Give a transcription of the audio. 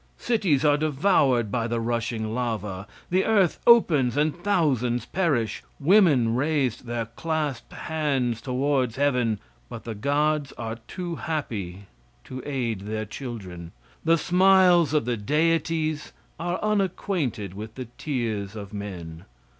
Cities are devoured by the rushing lava; the earth opens and thousands perish; women raise their clasped hands towards heaven, but the gods are too happy to aid their children. The smiles of the deities are unacquainted with the tears of men.